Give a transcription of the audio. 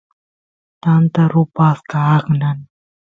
tanta rupasqa aqnan